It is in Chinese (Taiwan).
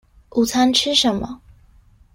午餐吃什麼